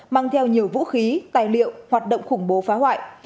mang theo nhiều vũ khí tài liệu hoạt động khủng bố phá hoại